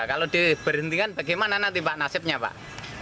kalau diberhentikan bagaimana nanti pak nasibnya pak